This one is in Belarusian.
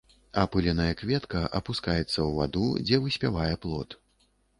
Апыленая кветка апускаецца ў ваду, дзе выспявае плод.